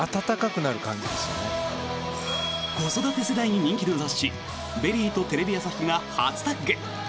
子育て世代人気の雑誌「ＶＥＲＹ」とテレビ朝日が初タッグ！